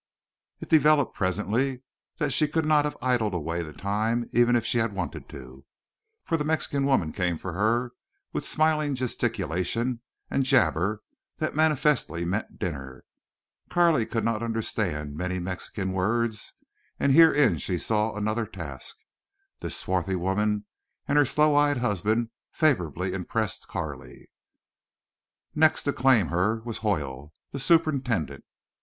It developed, presently, that she could not have idled away the time even if she had wanted to, for the Mexican woman came for her, with smiling gesticulation and jabber that manifestly meant dinner. Carley could not understand many Mexican words, and herein she saw another task. This swarthy woman and her sloe eyed husband favorably impressed Carley. Next to claim her was Hoyle, the superintendent.